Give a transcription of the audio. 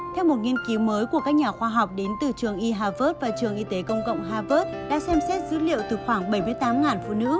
theo một nghiên cứu mới của các nhà khoa học đến từ trường e harvard và trường y tế công cộng harvard đã xem xét dữ liệu từ khoảng bảy mươi tám phụ nữ